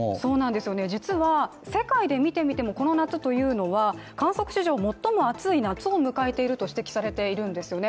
実は、世界で見てみてもこの夏というのは観測史上最も暑い夏を迎えていると指摘されているんですよね。